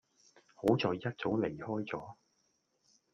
好在一早離開左